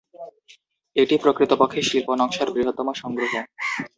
এটি প্রকৃতপক্ষে শিল্প নকশার বৃহত্তম সংগ্রহ।